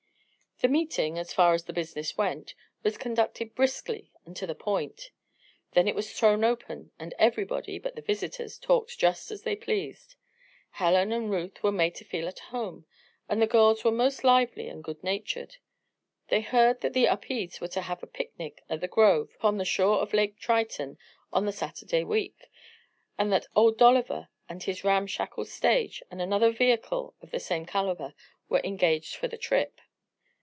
The meeting, as far as the business went, was conducted briskly and to the point. Then it was "thrown open" and everybody but the visitors talked just as they pleased. Helen and Ruth were made to feel at home, and the girls were most lively and good natured. They heard that the Upedes were to have a picnic at a grove upon the shore of Lake Triton on the Saturday week, and that Old Dolliver and his ramshackle stage, and another vehicle of the same caliber, were engaged for the trip.